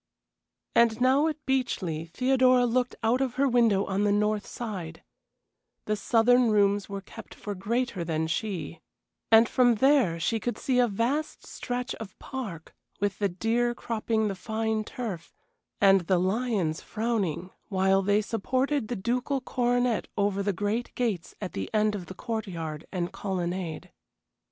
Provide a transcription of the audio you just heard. And now at Beechleigh Theodora looked out of her window on the north side the southern rooms were kept for greater than she and from there she could see a vast stretch of park, with the deer cropping the fine turf, and the lions frowning while they supported the ducal coronet over the great gates at the end of the court yard and colonnade.